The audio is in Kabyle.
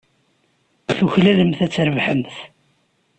Tuklalemt ad trebḥemt.